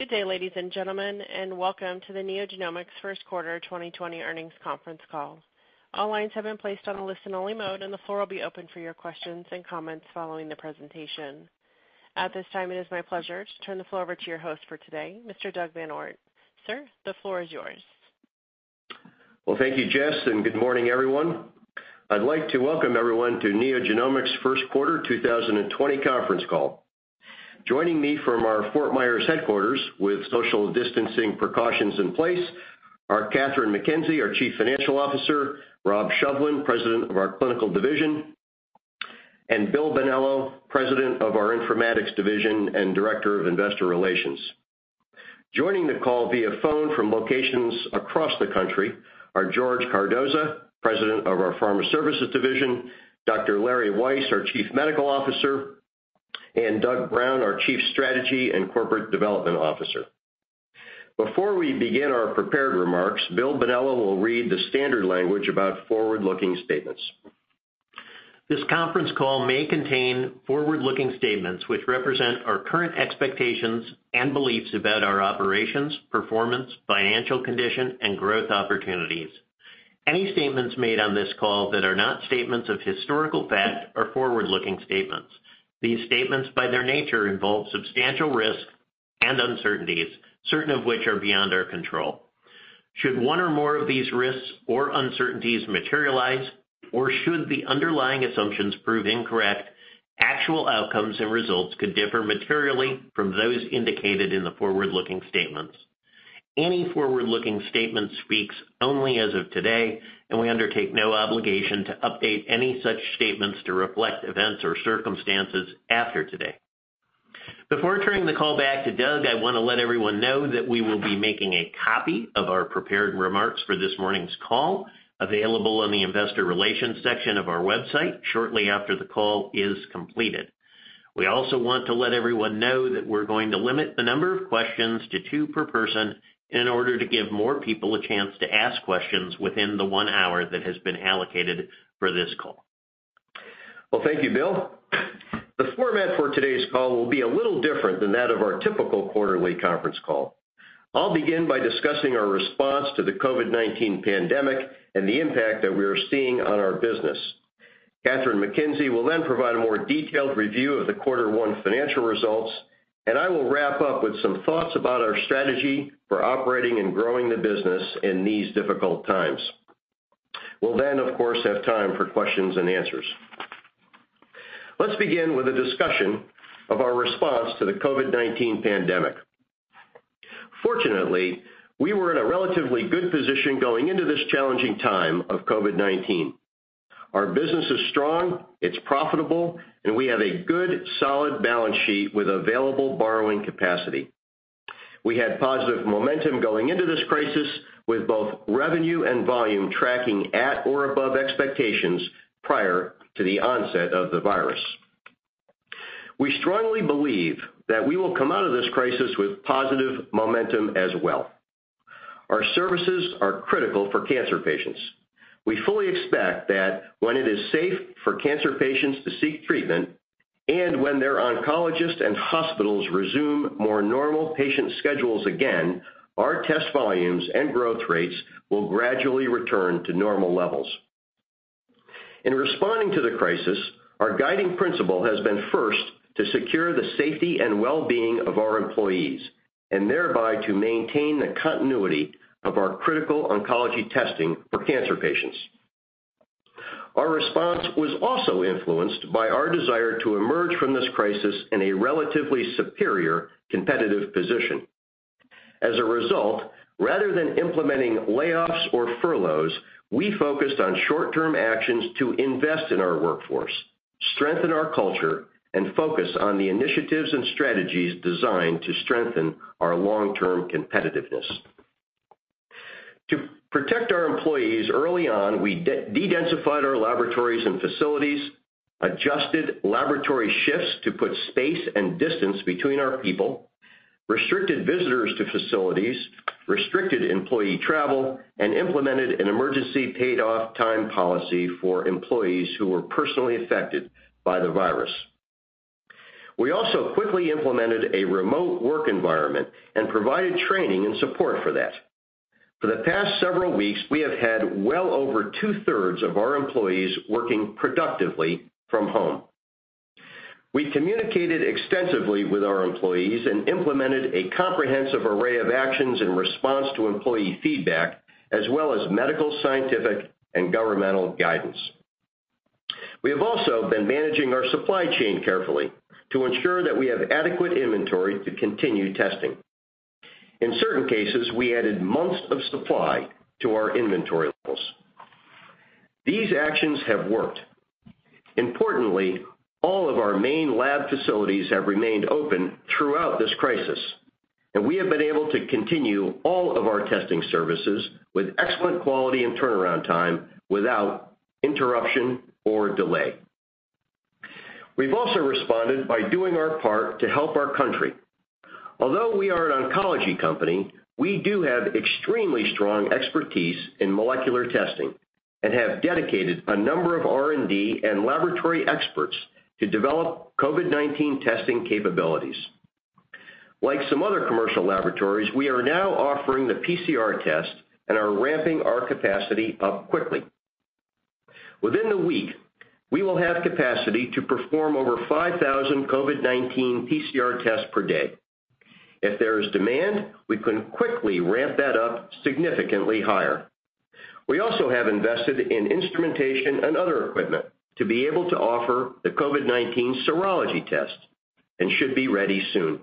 Good day, ladies and gentlemen, welcome to the NeoGenomics first quarter 2020 earnings conference call. All lines have been placed on a listen-only mode, and the floor will be open for your questions and comments following the presentation. At this time, it is my pleasure to turn the floor over to your host for today, Mr. Doug VanOort. Sir, the floor is yours. Well, thank you, Jess. Good morning, everyone. I'd like to welcome everyone to NeoGenomics' first quarter 2020 conference call. Joining me from our Fort Myers headquarters with social distancing precautions in place are Kathryn McKenzie, our Chief Financial Officer, Rob Shovlin, President of our clinical division, and Bill Bonello, President of our informatics division and Director of Investor Relations. Joining the call via phone from locations across the country are George Cardoza, President of our pharma services division, Dr. Lawrence Weiss, our Chief Medical Officer, and Douglas Brown, our Chief Strategy and Corporate Development Officer. Before we begin our prepared remarks, Bill Bonello will read the standard language about forward-looking statements. This conference call may contain forward-looking statements which represent our current expectations and beliefs about our operations, performance, financial condition, and growth opportunities. Any statements made on this call that are not statements of historical fact are forward-looking statements. These statements, by their nature, involve substantial risk and uncertainties, certain of which are beyond our control. Should one or more of these risks or uncertainties materialize, or should the underlying assumptions prove incorrect, actual outcomes and results could differ materially from those indicated in the forward-looking statements. Any forward-looking statements speaks only as of today, and we undertake no obligation to update any such statements to reflect events or circumstances after today. Before turning the call back to Doug, I want to let everyone know that we will be making a copy of our prepared remarks for this morning's call available on the investor relations section of our website shortly after the call is completed. We also want to let everyone know that we're going to limit the number of questions to two per person in order to give more people a chance to ask questions within the one hour that has been allocated for this call. Well, thank you, Bill. The format for today's call will be a little different than that of our typical quarterly conference call. I'll begin by discussing our response to the COVID-19 pandemic and the impact that we are seeing on our business. Kathryn McKenzie will then provide a more detailed review of the quarter one financial results. I will wrap up with some thoughts about our strategy for operating and growing the business in these difficult times. We'll, of course, have time for questions and answers. Let's begin with a discussion of our response to the COVID-19 pandemic. Fortunately, we were in a relatively good position going into this challenging time of COVID-19. Our business is strong, it's profitable. We have a good, solid balance sheet with available borrowing capacity. We had positive momentum going into this crisis with both revenue and volume tracking at or above expectations prior to the onset of the virus. We strongly believe that we will come out of this crisis with positive momentum as well. Our services are critical for cancer patients. We fully expect that when it is safe for cancer patients to seek treatment, and when their oncologists and hospitals resume more normal patient schedules again, our test volumes and growth rates will gradually return to normal levels. In responding to the crisis, our guiding principle has been first to secure the safety and well-being of our employees, and thereby to maintain the continuity of our critical oncology testing for cancer patients. Our response was also influenced by our desire to emerge from this crisis in a relatively superior competitive position. As a result, rather than implementing layoffs or furloughs, we focused on short-term actions to invest in our workforce, strengthen our culture, and focus on the initiatives and strategies designed to strengthen our long-term competitiveness. To protect our employees early on, we de-densified our laboratories and facilities, adjusted laboratory shifts to put space and distance between our people, restricted visitors to facilities, restricted employee travel, and implemented an emergency paid off time policy for employees who were personally affected by the virus. We also quickly implemented a remote work environment and provided training and support for that. For the past several weeks, we have had well over two-thirds of our employees working productively from home. We communicated extensively with our employees and implemented a comprehensive array of actions in response to employee feedback, as well as medical, scientific, and governmental guidance. We have also been managing our supply chain carefully to ensure that we have adequate inventory to continue testing. In certain cases, we added months of supply to our inventory levels. These actions have worked. Importantly, all of our main lab facilities have remained open throughout this crisis, and we have been able to continue all of our testing services with excellent quality and turnaround time without interruption or delay. We've also responded by doing our part to help our country. Although we are an oncology company, we do have extremely strong expertise in molecular testing and have dedicated a number of R&D and laboratory experts to develop COVID-19 testing capabilities. Like some other commercial laboratories, we are now offering the PCR test and are ramping our capacity up quickly. Within the week, we will have capacity to perform over 5,000 COVID-19 PCR tests per day. If there is demand, we can quickly ramp that up significantly higher. We also have invested in instrumentation and other equipment to be able to offer the COVID-19 serology test and should be ready soon.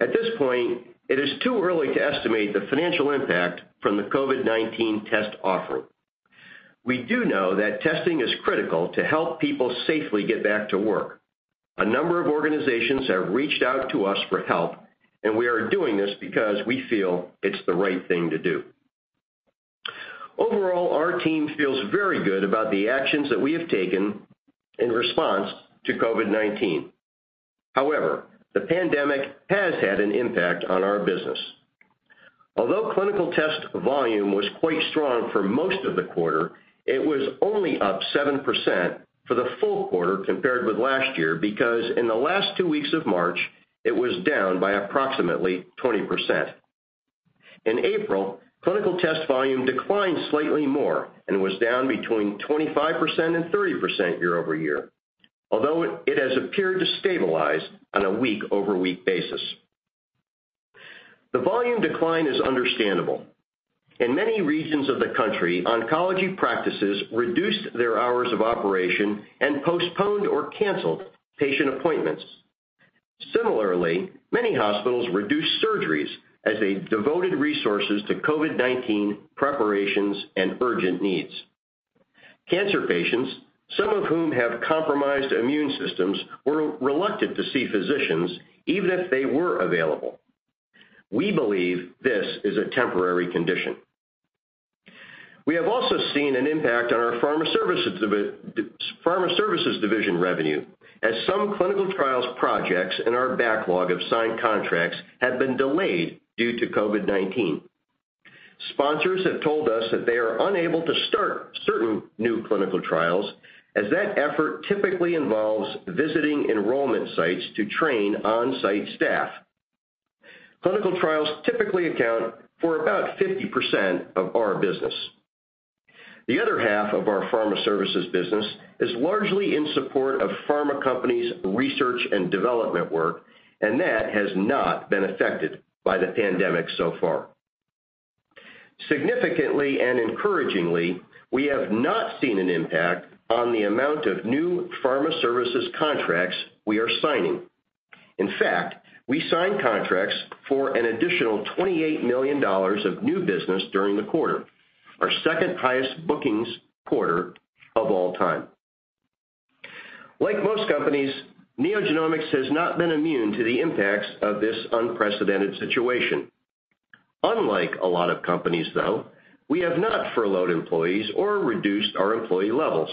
At this point, it is too early to estimate the financial impact from the COVID-19 test offering. We do know that testing is critical to help people safely get back to work. A number of organizations have reached out to us for help, and we are doing this because we feel it's the right thing to do. Overall, our team feels very good about the actions that we have taken in response to COVID-19. However, the pandemic has had an impact on our business. Although clinical test volume was quite strong for most of the quarter, it was only up 7% for the full quarter compared with last year, because in the last two weeks of March, it was down by approximately 20%. In April, clinical test volume declined slightly more and was down between 25% and 30% year-over-year, although it has appeared to stabilize on a week-over-week basis. The volume decline is understandable. In many regions of the country, oncology practices reduced their hours of operation and postponed or canceled patient appointments. Similarly, many hospitals reduced surgeries as they devoted resources to COVID-19 preparations and urgent needs. Cancer patients, some of whom have compromised immune systems, were reluctant to see physicians, even if they were available. We believe this is a temporary condition. We have also seen an impact on our Pharma Services Division revenue, as some clinical trials projects in our backlog of signed contracts have been delayed due to COVID-19. Sponsors have told us that they are unable to start certain new clinical trials, as that effort typically involves visiting enrollment sites to train on-site staff. Clinical trials typically account for about 50% of our business. The other half of our Pharma Services business is largely in support of pharma companies' research and development work, and that has not been affected by the pandemic so far. Significantly and encouragingly, we have not seen an impact on the amount of new Pharma Services contracts we are signing. In fact, we signed contracts for an additional $28 million of new business during the quarter, our second-highest bookings quarter of all time. Like most companies, NeoGenomics has not been immune to the impacts of this unprecedented situation. Unlike a lot of companies, though, we have not furloughed employees or reduced our employee levels.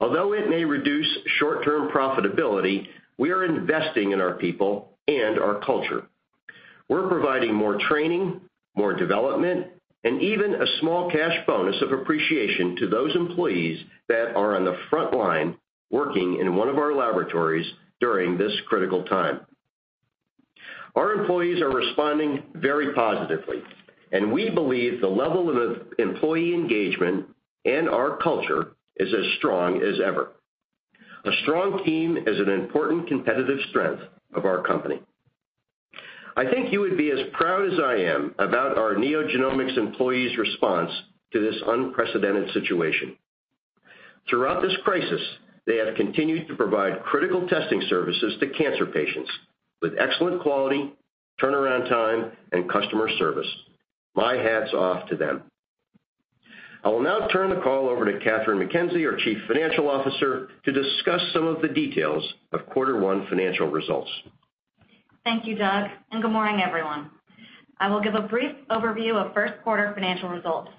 Although it may reduce short-term profitability, we are investing in our people and our culture. We're providing more training, more development, and even a small cash bonus of appreciation to those employees that are on the front line working in one of our laboratories during this critical time. Our employees are responding very positively, and we believe the level of employee engagement and our culture is as strong as ever. A strong team is an important competitive strength of our company. I think you would be as proud as I am about our NeoGenomics employees' response to this unprecedented situation. Throughout this crisis, they have continued to provide critical testing services to cancer patients with excellent quality, turnaround time, and customer service. My hat's off to them. I will now turn the call over to Kathryn McKenzie, our Chief Financial Officer, to discuss some of the details of quarter one financial results. Thank you, Doug. Good morning, everyone. I will give a brief overview of first quarter financial results.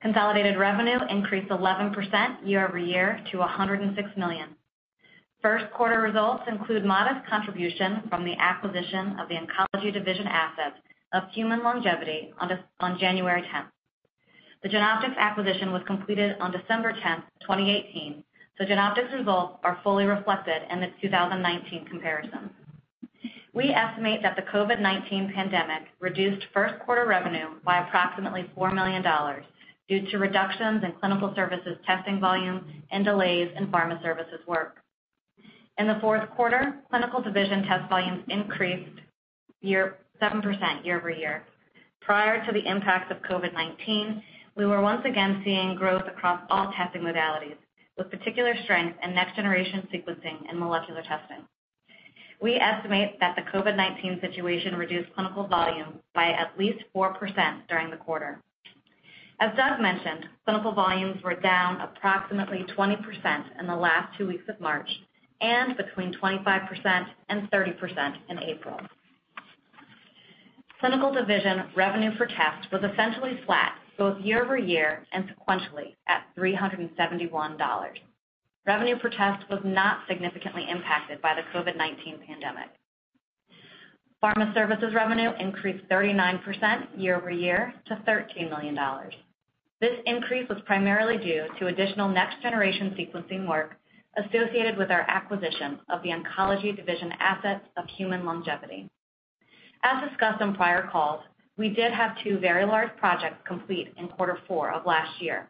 Consolidated revenue increased 11% year-over-year to $106 million. First quarter results include modest contribution from the acquisition of the oncology division asset of Human Longevity on January 10th. The Genoptix acquisition was completed on December 10th, 2018. Genoptix results are fully reflected in the 2019 comparison. We estimate that the COVID-19 pandemic reduced first quarter revenue by approximately $4 million due to reductions in clinical services testing volume and delays in pharma services work. In the fourth quarter, clinical division test volumes increased 7% year-over-year. Prior to the impact of COVID-19, we were once again seeing growth across all testing modalities, with particular strength in next-generation sequencing and molecular testing. We estimate that the COVID-19 situation reduced clinical volume by at least 4% during the quarter. As Doug mentioned, Clinical Division volumes were down approximately 20% in the last two weeks of March and between 25% and 30% in April. Clinical Division revenue per test was essentially flat, both year-over-year and sequentially at $371. Revenue per test was not significantly impacted by the COVID-19 pandemic. Pharma Services revenue increased 39% year-over-year to $13 million. This increase was primarily due to additional next-generation sequencing work associated with our acquisition of the oncology division assets of Human Longevity. As discussed on prior calls, we did have two very large projects complete in quarter four of last year.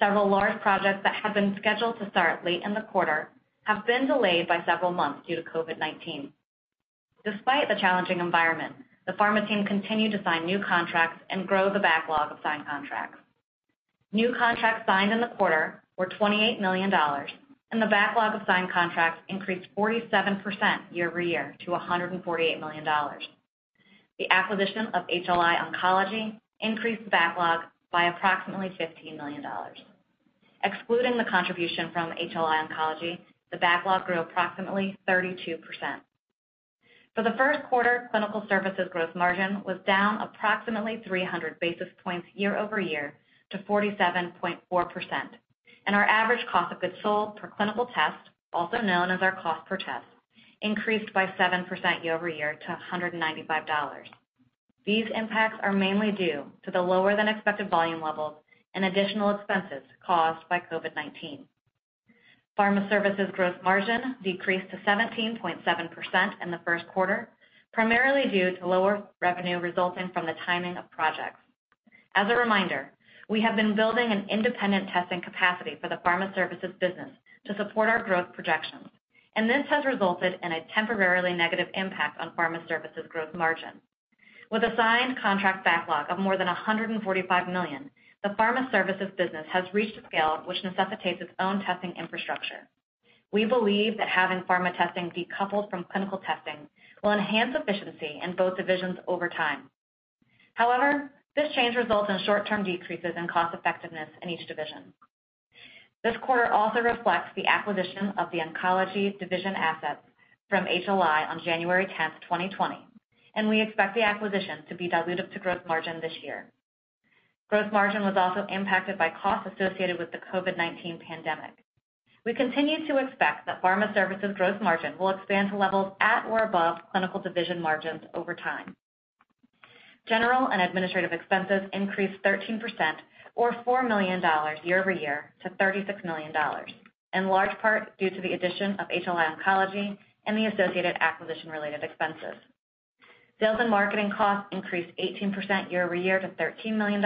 Several large projects that had been scheduled to start late in the quarter have been delayed by several months due to COVID-19. Despite the challenging environment, the Pharma team continued to sign new contracts and grow the backlog of signed contracts. New contracts signed in the quarter were $28 million. The backlog of signed contracts increased 47% year-over-year to $148 million. The acquisition of HLI Oncology increased the backlog by approximately $15 million. Excluding the contribution from HLI Oncology, the backlog grew approximately 32%. For the first quarter, Clinical Services gross margin was down approximately 300 basis points year-over-year to 47.4%. Our average cost of goods sold per clinical test, also known as our cost per test, increased by 7% year-over-year to $195. These impacts are mainly due to the lower-than-expected volume levels and additional expenses caused by COVID-19. Pharma Services gross margin decreased to 17.7% in the first quarter, primarily due to lower revenue resulting from the timing of projects. As a reminder, we have been building an independent testing capacity for the pharma services business to support our growth projections. This has resulted in a temporarily negative impact on pharma services gross margin. With a signed contract backlog of more than $145 million, the pharma services business has reached a scale which necessitates its own testing infrastructure. We believe that having pharma testing decoupled from clinical testing will enhance efficiency in both divisions over time. However, this change results in short-term decreases in cost effectiveness in each division. This quarter also reflects the acquisition of the oncology division assets from HLI on January 10th, 2020. We expect the acquisition to be dilutive to gross margin this year. Gross margin was also impacted by costs associated with the COVID-19 pandemic. We continue to expect that Pharma Services gross margin will expand to levels at or above clinical division margins over time. General and administrative expenses increased 13%, or $4 million year-over-year to $36 million, in large part due to the addition of HLI Oncology and the associated acquisition-related expenses. Sales and marketing costs increased 18% year-over-year to $13 million,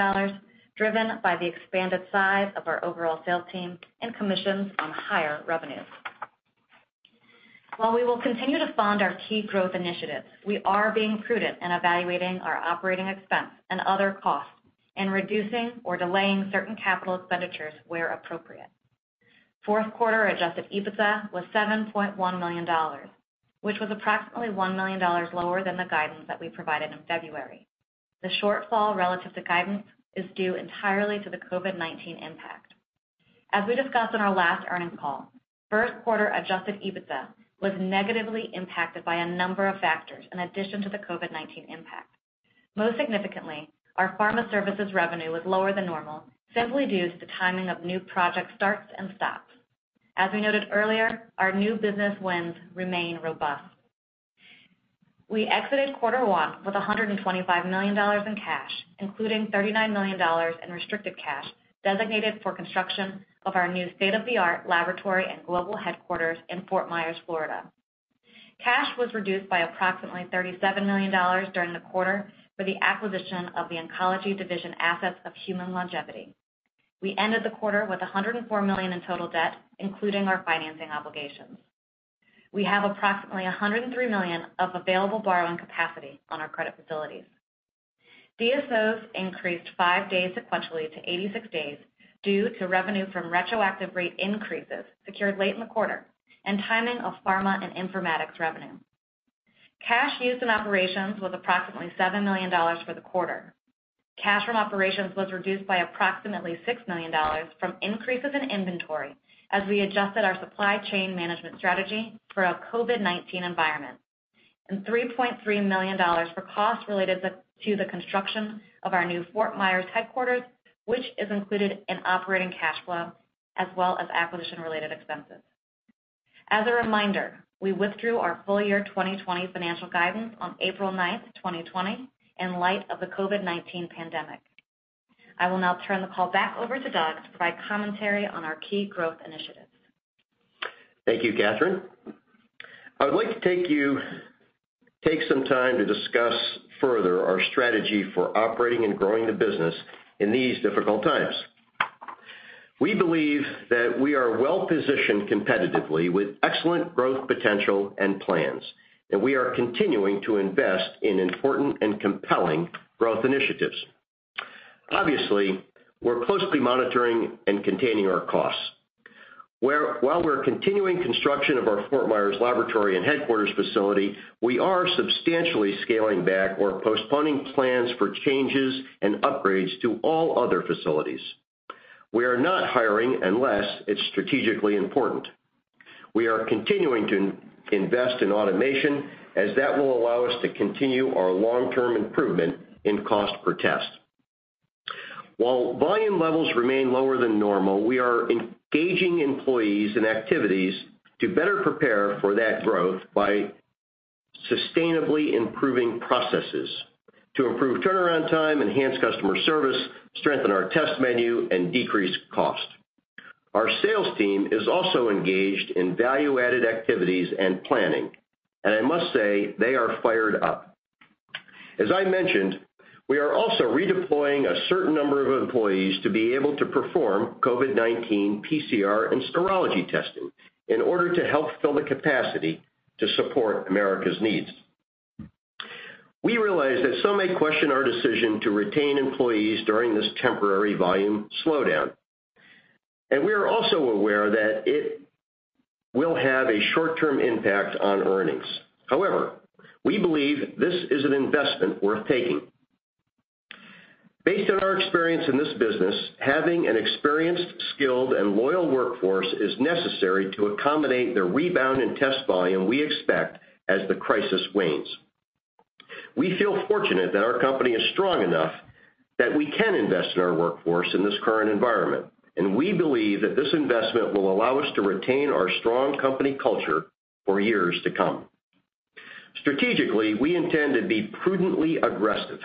driven by the expanded size of our overall sales team and commissions on higher revenues. While we will continue to fund our key growth initiatives, we are being prudent in evaluating our operating expense and other costs, and reducing or delaying certain capital expenditures where appropriate. Fourth quarter adjusted EBITDA was $7.1 million, which was approximately $1 million lower than the guidance that we provided in February. The shortfall relative to guidance is due entirely to the COVID-19 impact. As we discussed on our last earnings call, first quarter adjusted EBITDA was negatively impacted by a number of factors in addition to the COVID-19 impact. Most significantly, our pharma services revenue was lower than normal, simply due to the timing of new project starts and stops. As we noted earlier, our new business wins remain robust. We exited quarter one with $125 million in cash, including $39 million in restricted cash designated for construction of our new state-of-the-art laboratory and global headquarters in Fort Myers, Florida. Cash was reduced by approximately $37 million during the quarter for the acquisition of the oncology division assets of Human Longevity. We ended the quarter with $104 million in total debt, including our financing obligations. We have approximately $103 million of available borrowing capacity on our credit facilities. DSOs increased five days sequentially to 86 days due to revenue from retroactive rate increases secured late in the quarter and timing of pharma and informatics revenue. Cash used in operations was approximately $7 million for the quarter. Cash from operations was reduced by approximately $6 million from increases in inventory as we adjusted our supply chain management strategy for a COVID-19 environment, and $3.3 million for costs related to the construction of our new Fort Myers headquarters, which is included in operating cash flow, as well as acquisition-related expenses. As a reminder, we withdrew our full year 2020 financial guidance on April 9th, 2020, in light of the COVID-19 pandemic. I will now turn the call back over to Doug to provide commentary on our key growth initiatives. Thank you, Kathryn. I would like to take some time to discuss further our strategy for operating and growing the business in these difficult times. We believe that we are well-positioned competitively with excellent growth potential and plans, and we are continuing to invest in important and compelling growth initiatives. Obviously, we're closely monitoring and containing our costs. While we're continuing construction of our Fort Myers laboratory and headquarters facility, we are substantially scaling back or postponing plans for changes and upgrades to all other facilities. We are not hiring unless it's strategically important. We are continuing to invest in automation, as that will allow us to continue our long-term improvement in cost per test. While volume levels remain lower than normal, we are engaging employees in activities to better prepare for that growth by sustainably improving processes to improve turnaround time, enhance customer service, strengthen our test menu, and decrease cost. Our sales team is also engaged in value-added activities and planning, and I must say, they are fired up. As I mentioned, we are also redeploying a certain number of employees to be able to perform COVID-19 PCR and serology testing in order to help fill the capacity to support America's needs. We realize that some may question our decision to retain employees during this temporary volume slowdown, and we are also aware that it will have a short-term impact on earnings. However, we believe this is an investment worth taking. Based on our experience in this business, having an experienced, skilled, and loyal workforce is necessary to accommodate the rebound in test volume we expect as the crisis wanes. We feel fortunate that our company is strong enough that we can invest in our workforce in this current environment, and we believe that this investment will allow us to retain our strong company culture for years to come. Strategically, we intend to be prudently aggressive.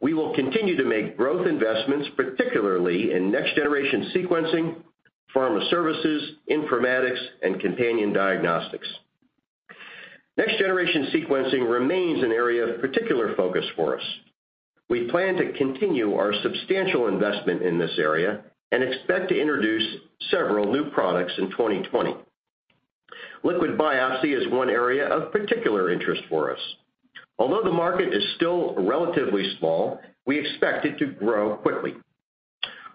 We will continue to make growth investments, particularly in next-generation sequencing, Pharma Services, Informatics, and companion diagnostics. Next-generation sequencing remains an area of particular focus for us. We plan to continue our substantial investment in this area and expect to introduce several new products in 2020. liquid biopsy is one area of particular interest for us. Although the market is still relatively small, we expect it to grow quickly.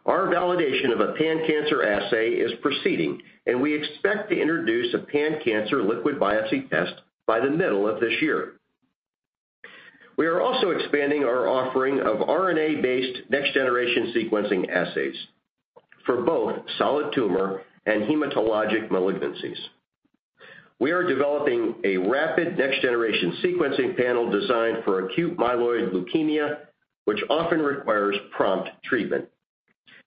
Our validation of a pan-cancer assay is proceeding. We expect to introduce a pan-cancer liquid biopsy test by the middle of this year. We are also expanding our offering of RNA-based next-generation sequencing assays for both solid tumor and hematologic malignancies. We are developing a rapid next-generation sequencing panel designed for acute myeloid leukemia, which often requires prompt treatment.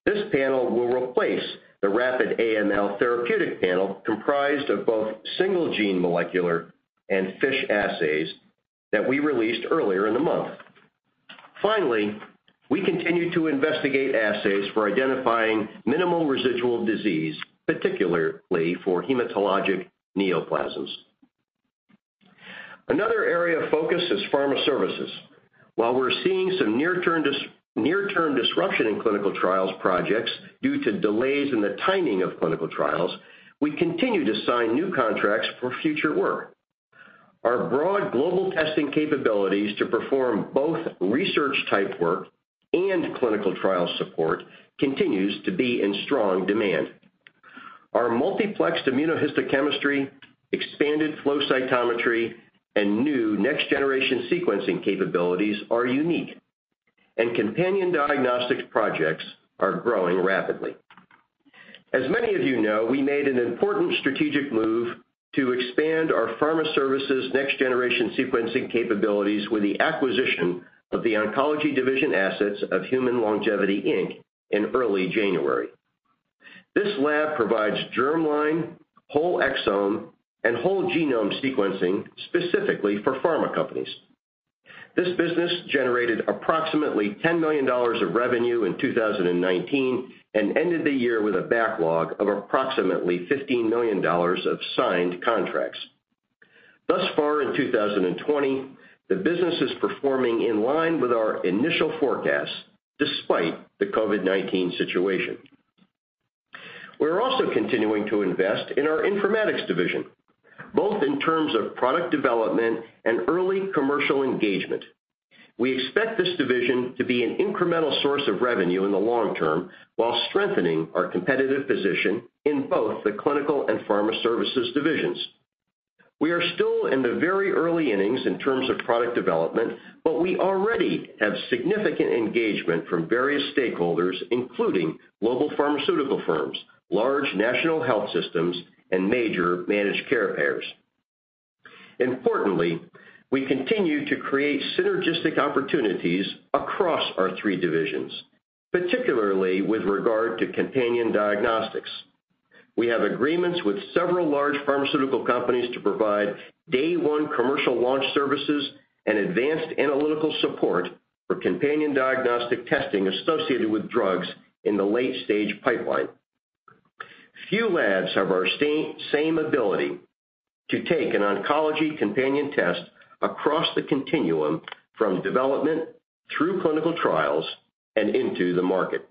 This panel will replace the rapid AML therapeutic panel comprised of both single-gene molecular and FISH assays that we released earlier in the month. Finally, we continue to investigate assays for identifying minimal residual disease, particularly for hematologic neoplasms. Another area of focus is pharma services. While we're seeing some near-term disruption in clinical trials projects due to delays in the timing of clinical trials, we continue to sign new contracts for future work. Our broad global testing capabilities to perform both research-type work and clinical trial support continues to be in strong demand. Our multiplexed immunohistochemistry, expanded flow cytometry, and new next-generation sequencing capabilities are unique, and companion diagnostics projects are growing rapidly. As many of you know, we made an important strategic move to expand our Pharma Services next-generation sequencing capabilities with the acquisition of the oncology division assets of Human Longevity, Inc. in early January. This lab provides germline, whole exome, and whole-genome sequencing specifically for pharma companies. This business generated approximately $10 million of revenue in 2019 and ended the year with a backlog of approximately $15 million of signed contracts. Thus far in 2020, the business is performing in line with our initial forecasts despite the COVID-19 situation. We are also continuing to invest in our Informatics Division, both in terms of product development and early commercial engagement. We expect this division to be an incremental source of revenue in the long term while strengthening our competitive position in both the Clinical and Pharma Services Divisions. We are still in the very early innings in terms of product development, but we already have significant engagement from various stakeholders, including global pharmaceutical firms, large national health systems, and major managed care payers. Importantly, we continue to create synergistic opportunities across our three divisions, particularly with regard to companion diagnostics. We have agreements with several large pharmaceutical companies to provide day one commercial launch services and advanced analytical support for companion diagnostic testing associated with drugs in the late-stage pipeline. Few labs have our same ability to take an oncology companion test across the continuum from development through clinical trials and into the market.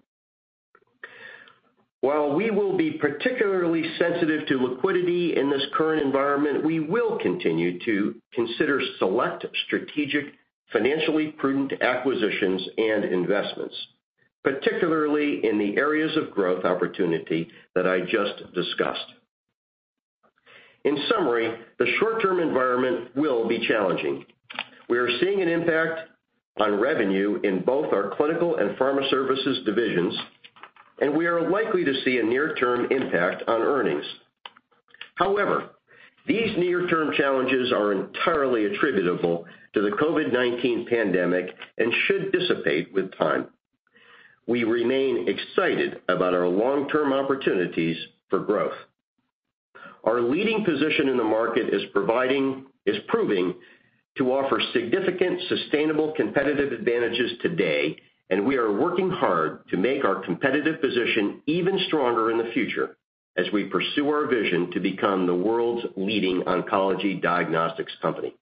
While we will be particularly sensitive to liquidity in this current environment, we will continue to consider select strategic, financially prudent acquisitions and investments, particularly in the areas of growth opportunity that I just discussed. In summary, the short-term environment will be challenging. We are seeing an impact on revenue in both our clinical and pharma services divisions, and we are likely to see a near-term impact on earnings. However, these near-term challenges are entirely attributable to the COVID-19 pandemic and should dissipate with time. We remain excited about our long-term opportunities for growth. Our leading position in the market is proving to offer significant, sustainable competitive advantages today, and we are working hard to make our competitive position even stronger in the future as we pursue our vision to become the world's leading oncology diagnostics company.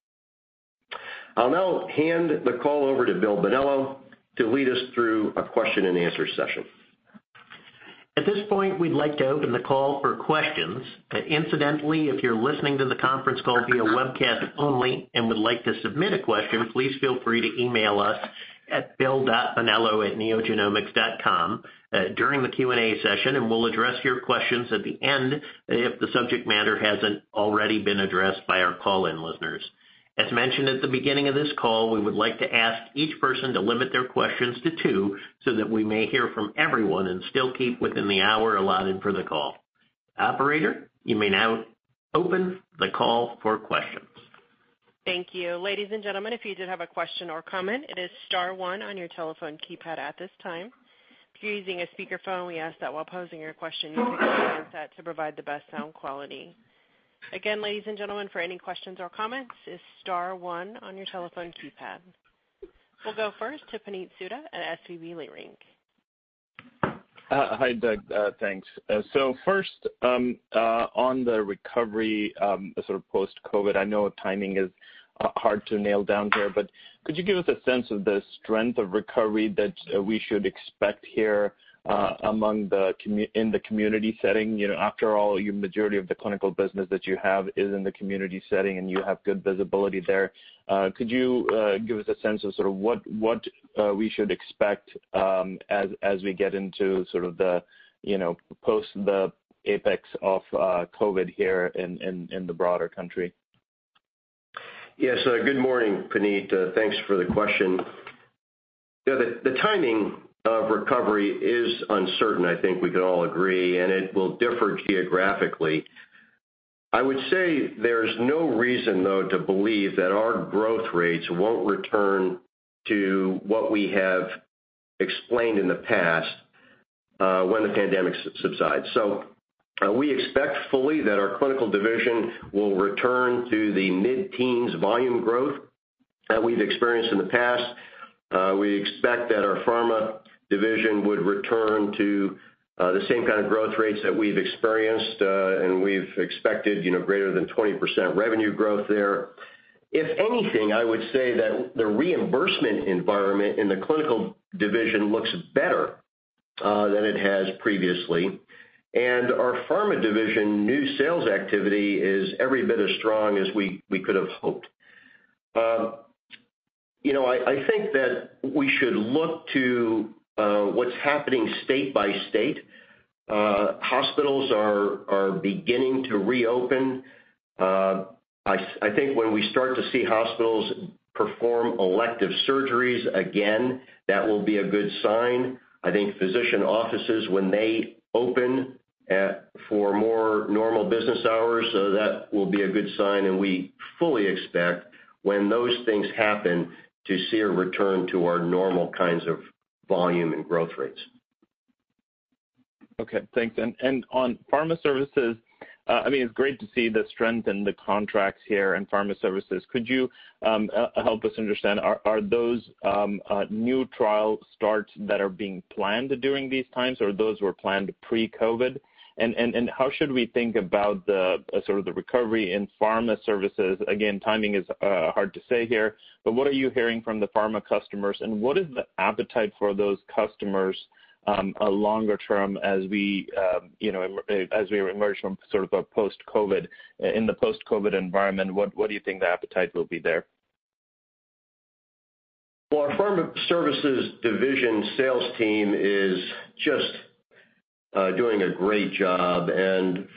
I'll now hand the call over to Bill Bonello to lead us through a question and answer session. At this point, we'd like to open the call for questions. Incidentally, if you're listening to the conference call via webcast only and would like to submit a question, please feel free to email us at bill.bonello@neogenomics.com during the Q&A session, and we'll address your questions at the end if the subject matter hasn't already been addressed by our call-in listeners. As mentioned at the beginning of this call, we would like to ask each person to limit their questions to two so that we may hear from everyone and still keep within the hour allotted for the call. Operator, you may now open the call for questions. Thank you. Ladies and gentlemen, if you did have a question or comment, it is star one on your telephone keypad at this time. If you're using a speakerphone, we ask that while posing your question, you pick up the handset to provide the best sound quality. Again, ladies and gentlemen, for any questions or comments, it's star one on your telephone keypad. We'll go first to Puneet Souda at SVB Leerink. Hi, Doug. Thanks. First, on the recovery, sort of post-COVID, I know timing is hard to nail down here, but could you give us a sense of the strength of recovery that we should expect here in the community setting? After all, your majority of the clinical business that you have is in the community setting, and you have good visibility there. Could you give us a sense of what we should expect as we get into the post the apex of COVID here in the broader country? Good morning, Puneet. Thanks for the question. The timing of recovery is uncertain, I think we can all agree, and it will differ geographically. I would say there's no reason, though, to believe that our growth rates won't return to what we have explained in the past when the pandemic subsides. We expect fully that our clinical division will return to the mid-teens volume growth that we've experienced in the past. We expect that our pharma division would return to the same kind of growth rates that we've experienced, and we've expected greater than 20% revenue growth there. If anything, I would say that the reimbursement environment in the clinical division looks better than it has previously. Our pharma division new sales activity is every bit as strong as we could've hoped. I think that we should look to what's happening state by state. Hospitals are beginning to reopen. I think when we start to see hospitals perform elective surgeries again, that will be a good sign. I think physician offices, when they open for more normal business hours, that will be a good sign. We fully expect when those things happen, to see a return to our normal kinds of volume and growth rates. Okay, thanks. On pharma services, it's great to see the strength in the contracts here in pharma services. Could you help us understand, are those new trial starts that are being planned during these times, or those were planned pre-COVID? How should we think about the recovery in pharma services? Again, timing is hard to say here, but what are you hearing from the pharma customers, and what is the appetite for those customers longer-term as we emerge in the post-COVID environment? What do you think the appetite will be there? Well, our Pharma Services Division sales team is just doing a great job.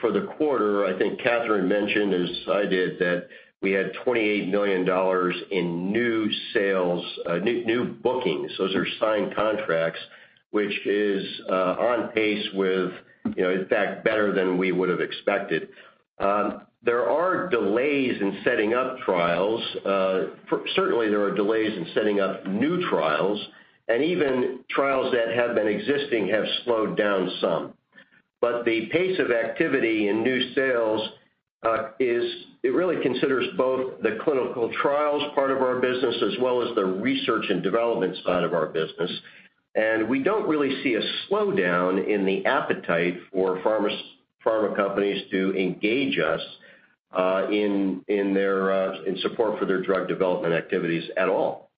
For the quarter, I think Kathryn mentioned, as I did, that we had $28 million in new bookings. Those are signed contracts, which is on pace with, in fact, better than we would've expected. There are delays in setting up trials. Certainly, there are delays in setting up new trials, and even trials that have been existing have slowed down some. The pace of activity in new sales, it really considers both the clinical trials part of our business as well as the research and development side of our business. We don't really see a slowdown in the appetite for pharma companies to engage us in support for their drug development activities at all.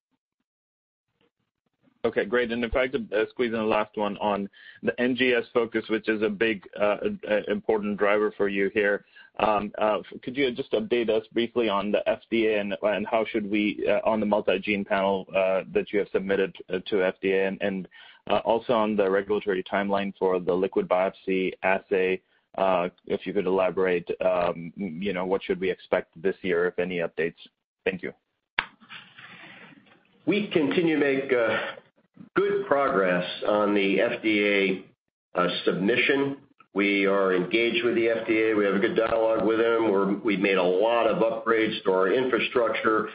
Okay, great. If I could squeeze in a last one on the NGS focus, which is a big, important driver for you here. Could you just update us briefly on the FDA and on the multi-gene panel that you have submitted to FDA and also on the regulatory timeline for the liquid biopsy assay, if you could elaborate, what should we expect this year, if any updates? Thank you. We continue to make good progress on the FDA submission. We are engaged with the FDA. We have a good dialogue with them. We've made a lot of upgrades to our infrastructure.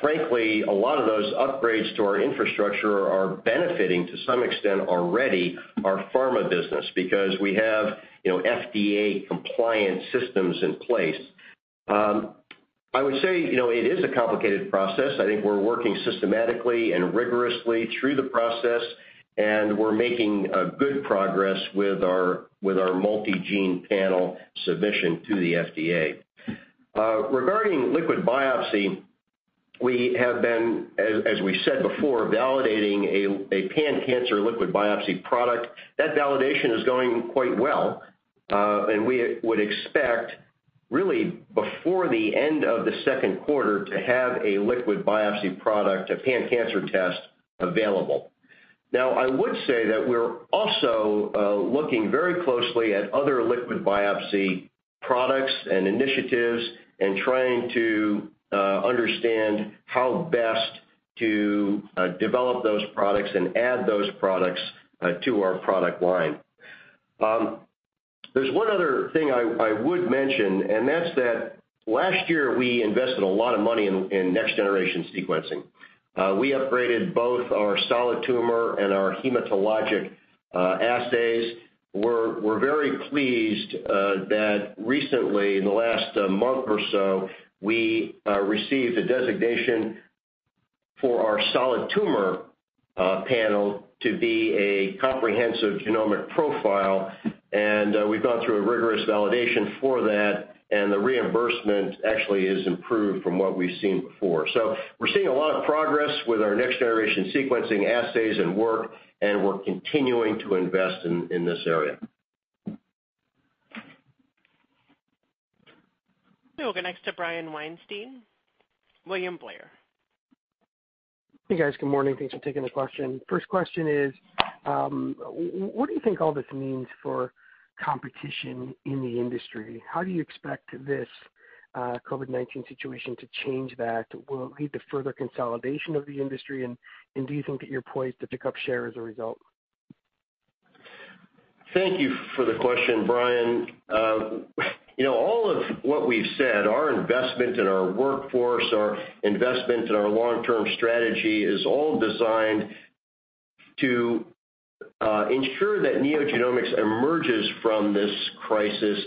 Frankly, a lot of those upgrades to our infrastructure are benefiting, to some extent already, our pharma business, because we have FDA compliance systems in place. I would say, it is a complicated process. I think we're working systematically and rigorously through the process, and we're making good progress with our multi-gene panel submission to the FDA. Regarding liquid biopsy, we have been, as we said before, validating a pan-cancer liquid biopsy product. That validation is going quite well. We would expect, really before the end of the second quarter, to have a liquid biopsy product, a pan-cancer test available. I would say that we're also looking very closely at other liquid biopsy products and initiatives and trying to understand how best to develop those products and add those products to our product line. There's one other thing I would mention, and that's that last year we invested a lot of money in next-generation sequencing. We upgraded both our solid tumor and our hematologic assays. We're very pleased that recently, in the last month or so, we received a designation for our solid tumor panel to be a comprehensive genomic profile, and we've gone through a rigorous validation for that, and the reimbursement actually is improved from what we've seen before. We're seeing a lot of progress with our next-generation sequencing assays and work, and we're continuing to invest in this area. We will go next to Brian Weinstein, William Blair. Hey, guys. Good morning. Thanks for taking the question. First question is, what do you think all this means for competition in the industry? How do you expect this COVID-19 situation to change that? Will it lead to further consolidation of the industry? Do you think that you're poised to pick up share as a result? Thank you for the question, Brian. All of what we've said, our investment in our workforce, our investment in our long-term strategy, is all designed to ensure that NeoGenomics emerges from this crisis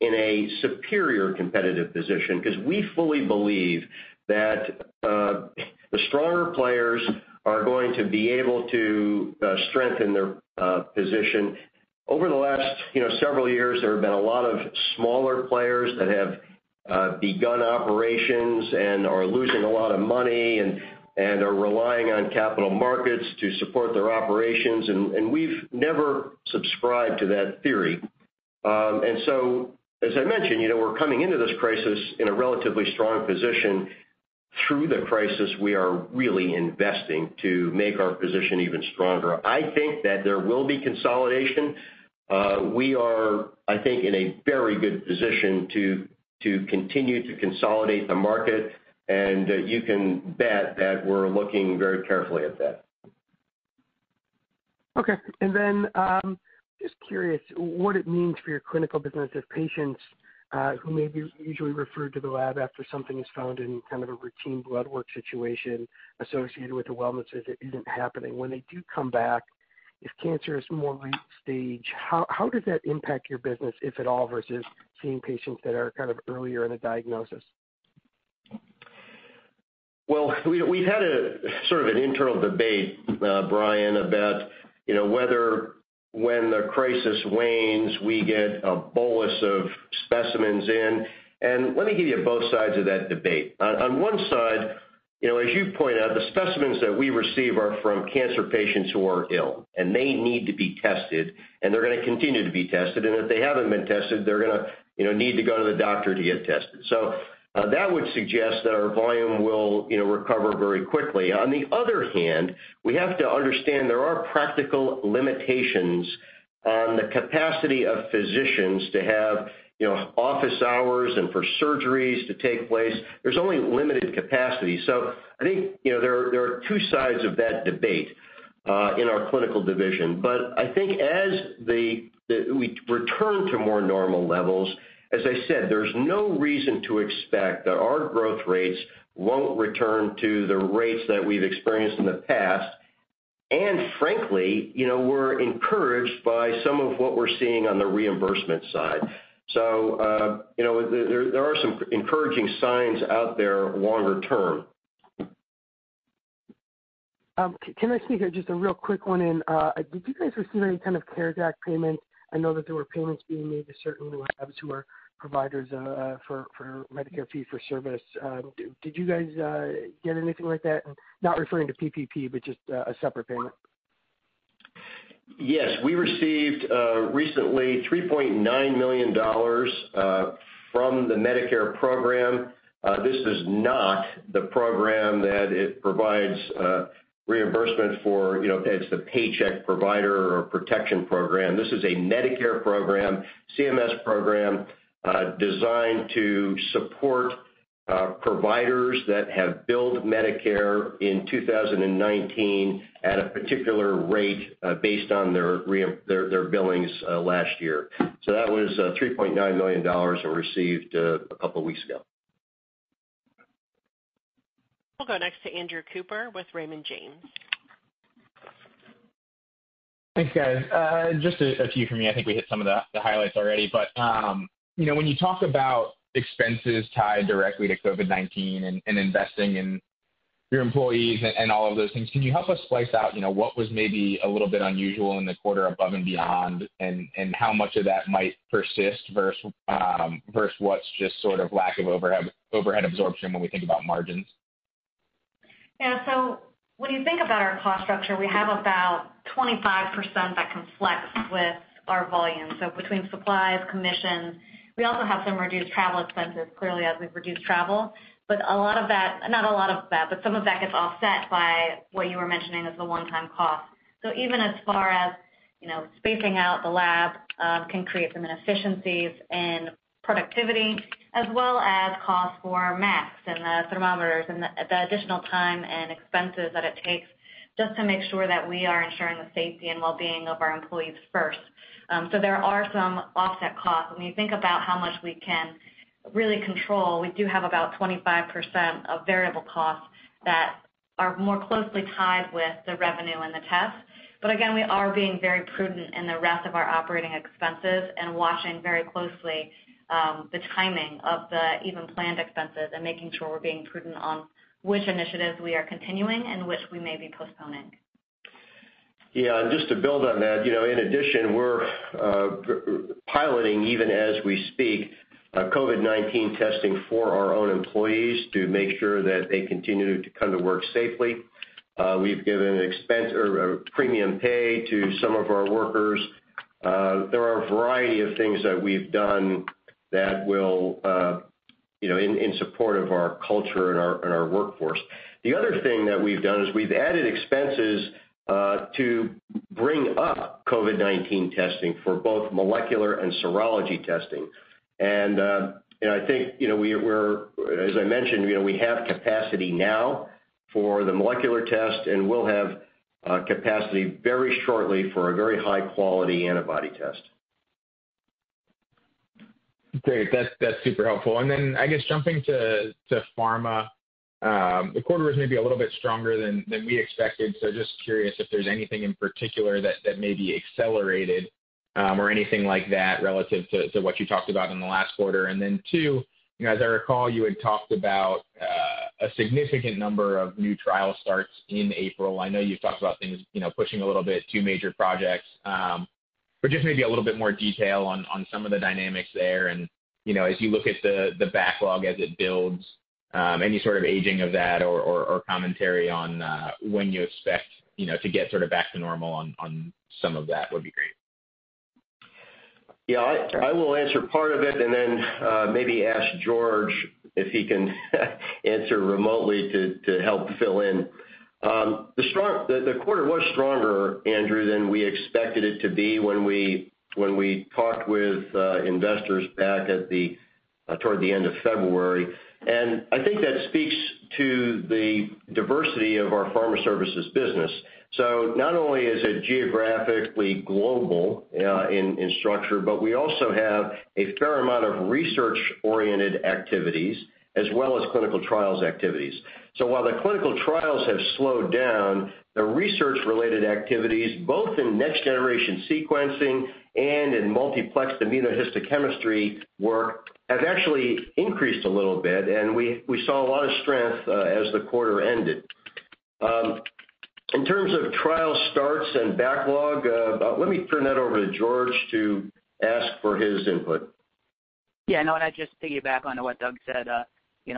in a superior competitive position, because we fully believe that the stronger players are going to be able to strengthen their position. Over the last several years, there have been a lot of smaller players that have begun operations and are losing a lot of money and are relying on capital markets to support their operations, and we've never subscribed to that theory. As I mentioned, we're coming into this crisis in a relatively strong position. Through the crisis, we are really investing to make our position even stronger. I think that there will be consolidation. We are, I think, in a very good position to continue to consolidate the market, and you can bet that we're looking very carefully at that. Okay. Just curious what it means for your clinical business if patients who may be usually referred to the lab after something is found in kind of a routine blood work situation associated with the wellness visit isn't happening. When they do come back, if cancer is more late stage, how does that impact your business, if at all, versus seeing patients that are kind of earlier in the diagnosis? Well, we've had sort of an internal debate, Brian, about whether when the crisis wanes, we get a bolus of specimens in. Let me give you both sides of that debate. On one side, as you point out, the specimens that we receive are from cancer patients who are ill and they need to be tested, and they're going to continue to be tested, and if they haven't been tested, they're going to need to go to the doctor to get tested. That would suggest that our volume will recover very quickly. On the other hand, we have to understand there are practical limitations on the capacity of physicians to have office hours and for surgeries to take place. There's only limited capacity. I think there are two sides of that debate in our clinical division. I think as we return to more normal levels, as I said, there's no reason to expect that our growth rates won't return to the rates that we've experienced in the past. Frankly, we're encouraged by some of what we're seeing on the reimbursement side. There are some encouraging signs out there longer term. Can I sneak in just a real quick one in? Did you guys receive any kind of CARES Act payments? I know that there were payments being made to certain labs who are providers for Medicare fee-for-service. Did you guys get anything like that? Not referring to PPP, but just a separate payment. Yes. We received recently $3.9 million from the Medicare program. This is not the program that provides reimbursement for, it's the Paycheck Protection Program. This is a Medicare program, CMS program, designed to support providers that have billed Medicare in 2019 at a particular rate based on their billings last year. That was $3.9 million we received a couple of weeks ago. We'll go next to Andrew Cooper with Raymond James. Thanks, guys. Just a few from me. I think we hit some of the highlights already. When you talk about expenses tied directly to COVID-19 and investing in your employees and all of those things, can you help us slice out what was maybe a little bit unusual in the quarter above and beyond, and how much of that might persist versus what's just lack of overhead absorption when we think about margins? Yeah. When you think about our cost structure, we have about 25% that can flex with our volume. Between supplies, commissions, we also have some reduced travel expenses, clearly, as we've reduced travel. A lot of that, not a lot of that, but some of that gets offset by what you were mentioning as the one-time cost. Even as far as spacing out the lab can create some inefficiencies in productivity, as well as cost for masks and the thermometers and the additional time and expenses that it takes just to make sure that we are ensuring the safety and well-being of our employees first. There are some offset costs. When you think about how much we can really control, we do have about 25% of variable costs that are more closely tied with the revenue and the tests. Again, we are being very prudent in the rest of our operating expenses and watching very closely the timing of the even planned expenses and making sure we're being prudent on which initiatives we are continuing and which we may be postponing. Just to build on that, in addition, we're piloting, even as we speak, COVID-19 testing for our own employees to make sure that they continue to come to work safely. We've given premium pay to some of our workers. There are a variety of things that we've done in support of our culture and our workforce. The other thing that we've done is we've added expenses to bring up COVID-19 testing for both molecular and serology testing. I think, as I mentioned, we have capacity now for the molecular test, and we'll have capacity very shortly for a very high-quality antibody test. Great. That's super helpful. I guess jumping to pharma, the quarter was maybe a little bit stronger than we expected, so just curious if there's anything in particular that may be accelerated or anything like that relative to what you talked about in the last quarter. Two, as I recall, you had talked about a significant number of new trial starts in April. I know you've talked about things pushing a little bit, two major projects. Just maybe a little bit more detail on some of the dynamics there and as you look at the backlog as it builds, any sort of aging of that or commentary on when you expect to get back to normal on some of that would be great. Yeah, I will answer part of it and then maybe ask George if he can answer remotely to help fill in. The quarter was stronger, Andrew, than we expected it to be when we talked with investors back toward the end of February, and I think that speaks to the diversity of our Pharma Services business. Not only is it geographically global in structure, but we also have a fair amount of research-oriented activities as well as clinical trials activities. While the clinical trials have slowed down, the research-related activities, both in next-generation sequencing and in multiplex immunohistochemistry work, have actually increased a little bit, and we saw a lot of strength as the quarter ended. In terms of trial starts and backlog, let me turn that over to George to ask for his input. Yeah. No, just to piggyback onto what Doug said,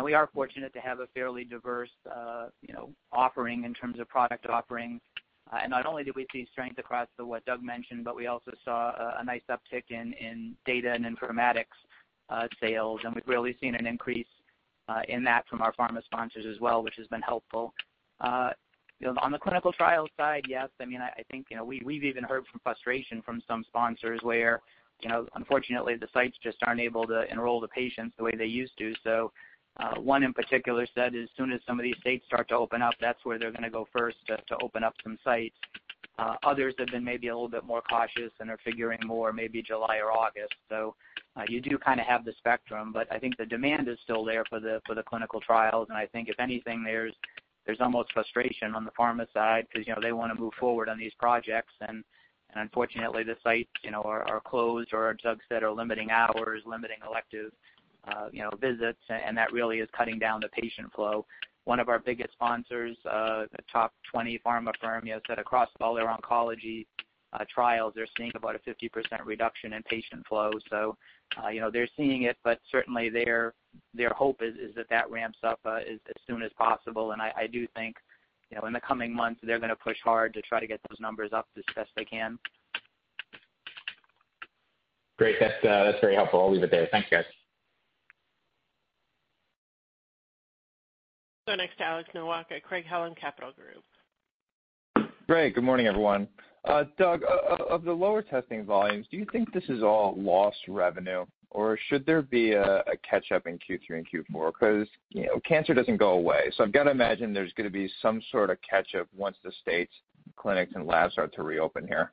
we are fortunate to have a fairly diverse offering in terms of product offering. Not only did we see strength across what Doug mentioned, but we also saw a nice uptick in data and informatics sales, and we've really seen an increase in that from our pharma sponsors as well, which has been helpful. On the clinical trials side, yes, I think we've even heard from frustration from some sponsors where unfortunately the sites just aren't able to enroll the patients the way they used to. One in particular said as soon as some of these states start to open up, that's where they're going to go first to open up some sites. Others have been maybe a little bit more cautious and are figuring more maybe July or August. You do have the spectrum, but I think the demand is still there for the clinical trials, and I think if anything, there's almost frustration on the pharma side because they want to move forward on these projects, and unfortunately, the sites are closed or, as Doug said, are limiting hours, limiting elective visits, and that really is cutting down the patient flow. One of our biggest sponsors, a top 20 pharma firm, said across all their oncology trials, they're seeing about a 50% reduction in patient flow. They're seeing it, but certainly their hope is that ramps up as soon as possible. I do think, in the coming months, they're going to push hard to try to get those numbers up as best they can. Great. That's very helpful. I'll leave it there. Thank you, guys. Go next to Alex Nowak at Craig-Hallum Capital Group. Great. Good morning, everyone. Doug, of the lower testing volumes, do you think this is all lost revenue? Should there be a catch-up in Q3 and Q4? Cancer doesn't go away. I've got to imagine there's going to be some sort of catch-up once the states, clinics, and labs start to reopen here.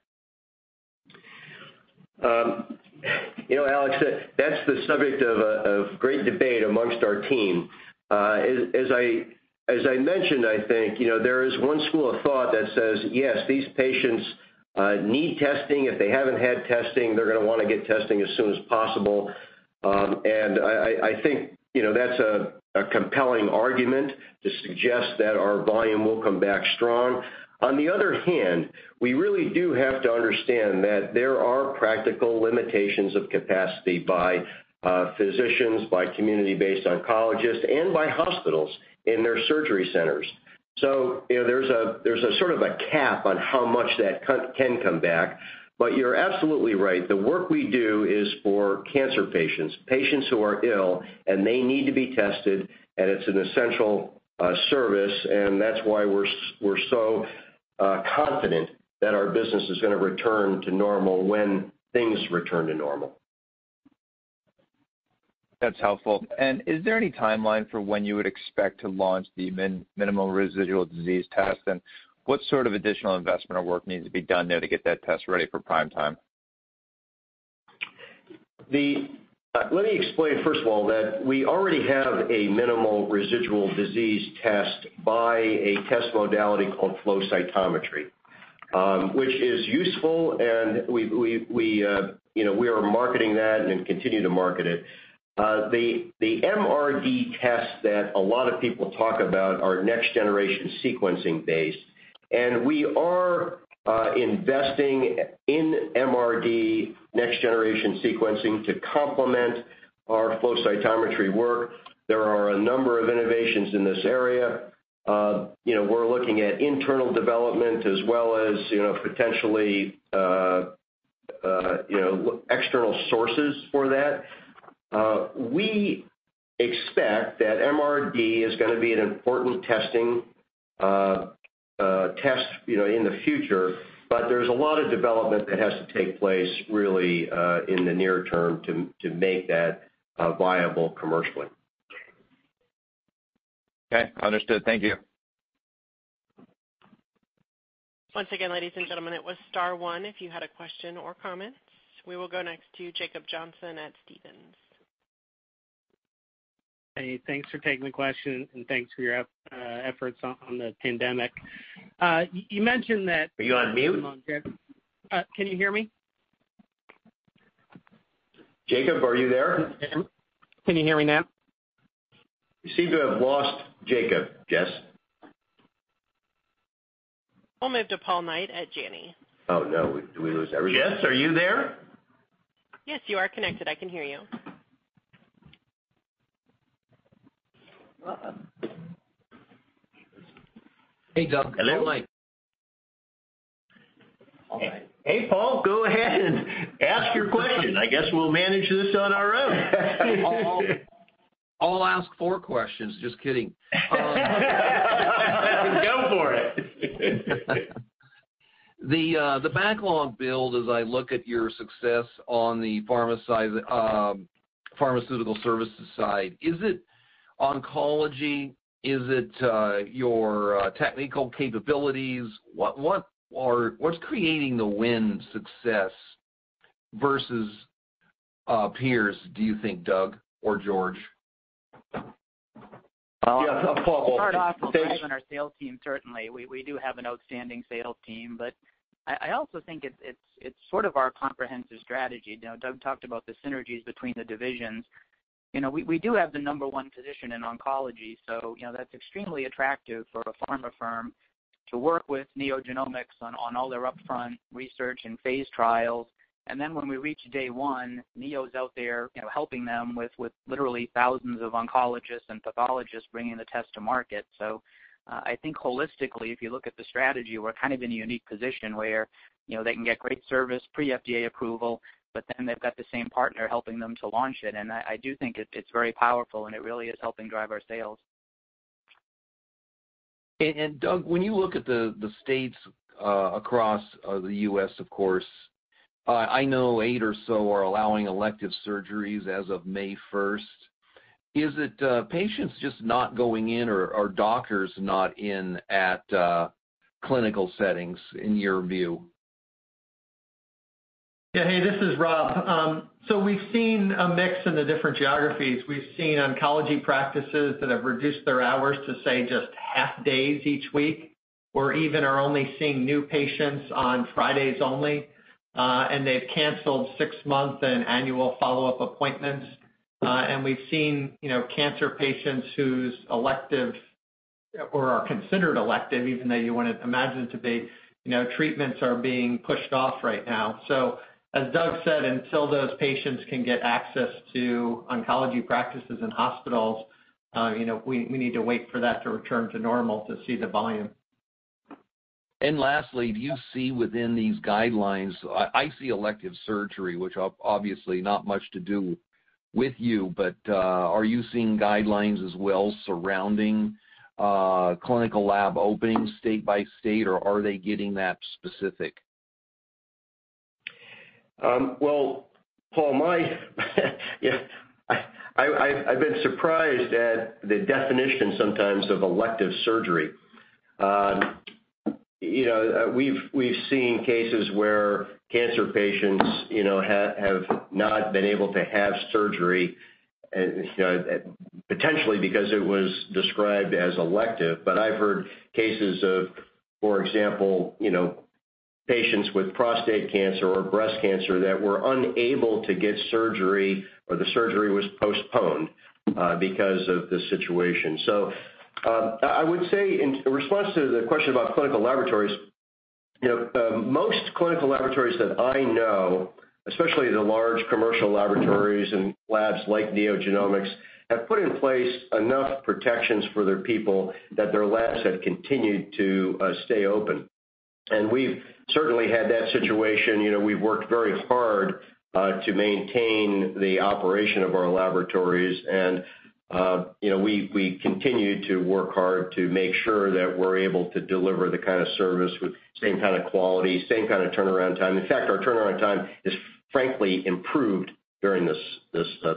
Alex, that's the subject of great debate amongst our team. As I mentioned, I think, there is one school of thought that says, yes, these patients need testing. If they haven't had testing, they're going to want to get testing as soon as possible. I think that's a compelling argument to suggest that our volume will come back strong. On the other hand, we really do have to understand that there are practical limitations of capacity by physicians, by community-based oncologists, and by hospitals in their surgery centers. There's a sort of a cap on how much that can come back. You're absolutely right. The work we do is for cancer patients who are ill, and they need to be tested, and it's an essential service, and that's why we're so confident that our business is going to return to normal when things return to normal. That's helpful. Is there any timeline for when you would expect to launch the minimal residual disease test? What sort of additional investment or work needs to be done there to get that test ready for prime time? Let me explain, first of all, that we already have a minimal residual disease test by a test modality called flow cytometry, which is useful, and we are marketing that and continue to market it. The MRD tests that a lot of people talk about are next-generation sequencing based. We are investing in MRD next-generation sequencing to complement our flow cytometry work. There are a number of innovations in this area. We're looking at internal development as well as potentially external sources for that. We expect that MRD is going to be an important test in the future, but there's a lot of development that has to take place, really, in the near term to make that viable commercially. Okay, understood. Thank you. Once again, ladies and gentlemen, it was star one if you had a question or comment. We will go next to Jacob Johnson at Stephens. Hey, thanks for taking the question, and thanks for your efforts on the pandemic. Are you on mute? Can you hear me? Jacob, are you there? Can you hear me now? We seem to have lost Jacob. Jess? We'll move to Paul Knight at Janney. Oh, no. Did we lose everybody? Jess, are you there? Yes, you are connected. I can hear you. Hey, Doug. Hello, Mike. Hey, Paul, go ahead. Ask your question. I guess we'll manage this on our own. I'll ask four questions. Just kidding. Go for it. The backlog build as I look at your success on the pharmaceutical services side, is it oncology? Is it your technical capabilities? What's creating the win success versus peers, do you think, Doug or George? Yes, Paul. To start off, driving our sales team, certainly. We do have an outstanding sales team, but I also think it's sort of our comprehensive strategy. Doug talked about the synergies between the divisions. We do have the number one position in oncology, so that's extremely attractive for a pharma firm to work with NeoGenomics on all their upfront research and phase trials. When we reach day one, Neo's out there helping them with literally thousands of oncologists and pathologists bringing the test to market. I think holistically, if you look at the strategy, we're kind of in a unique position where they can get great service pre FDA approval, but then they've got the same partner helping them to launch it. I do think it's very powerful, and it really is helping drive our sales. Doug, when you look at the states across the U.S., of course, I know eight or so are allowing elective surgeries as of May 1st. Is it patients just not going in, or are doctors not in at clinical settings, in your view? Yeah. Hey, this is Rob. We've seen a mix in the different geographies. We've seen oncology practices that have reduced their hours to, say, just half days each week or even are only seeing new patients on Fridays only. They've canceled six-month and annual follow-up appointments. We've seen cancer patients whose elective or are considered elective, even though you wouldn't imagine to be, treatments are being pushed off right now. As Doug said, until those patients can get access to oncology practices and hospitals, we need to wait for that to return to normal to see the volume. Lastly, do you see within these guidelines, I see elective surgery, which obviously not much to do with you, but are you seeing guidelines as well surrounding clinical lab openings state by state, or are they getting that specific? Well, Paul, I've been surprised at the definition sometimes of elective surgery. We've seen cases where cancer patients have not been able to have surgery, potentially because it was described as elective. I've heard cases of, for example, patients with prostate cancer or breast cancer that were unable to get surgery, or the surgery was postponed because of this situation. I would say in response to the question about clinical laboratories, most clinical laboratories that I know, especially the large commercial laboratories and labs like NeoGenomics, have put in place enough protections for their people that their labs have continued to stay open. We've certainly had that situation. We've worked very hard to maintain the operation of our laboratories and we continue to work hard to make sure that we're able to deliver the kind of service with same kind of quality, same kind of turnaround time. In fact, our turnaround time has frankly improved during this